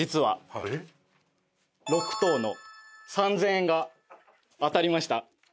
６等の３０００円が当たりました。